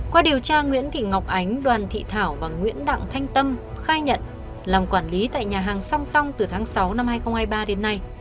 qua điều tra nguyễn thị ngọc ánh đoàn thị thảo và nguyễn đặng thanh tâm khai nhận làm quản lý tại nhà hàng song song từ tháng sáu năm hai nghìn hai mươi ba đến nay